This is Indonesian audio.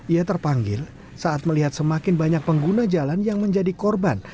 ia terpanggil saat melihat semakin banyak pengguna jalan yang menjadi korban